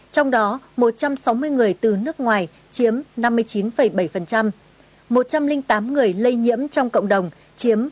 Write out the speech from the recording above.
trong đó một trăm sáu mươi người từ nước ngoài chiếm năm mươi chín bảy một trăm linh tám người lây nhiễm trong cộng đồng chiếm ba mươi